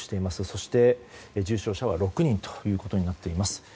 そして、重症者は６人ということになっています。